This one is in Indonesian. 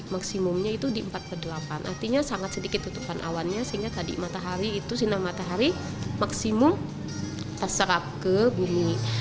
maksimumnya itu di empat delapan artinya sangat sedikit tutupan awannya sehingga tadi matahari itu sinar matahari maksimum terserap ke bumi